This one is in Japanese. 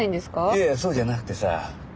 いやいやそうじゃなくてさ。